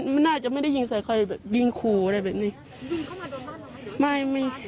มันน่าจะไม่ได้ยิงใส่ใครยิงขู่อะไรแบบนี้